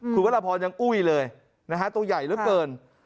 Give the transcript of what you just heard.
คุณวรพรยังอุ้ยเลยนะฮะตัวใหญ่เหลือเกิน